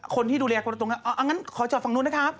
คนที่ดูแลกตรงนั้นอ่าขอจอดฝั่งนู้นนะครับ